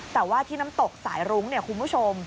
แต่ว่าที่น้ำตกสายรุ้งเนี่ยคุณผู้ชม